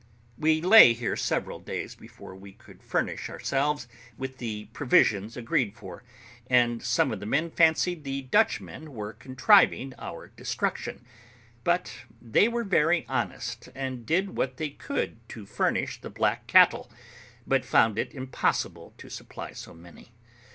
We lay here several days before we could furnish ourselves with the provisions agreed for, and some of the men fancied the Dutchmen were contriving our destruction; but they were very honest, and did what they could to furnish the black cattle, but found it impossible to supply so many.